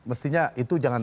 mestinya itu jangan